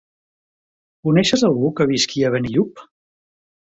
Coneixes algú que visqui a Benillup?